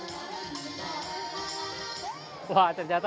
kami juga mencoba berbagai jenis makanan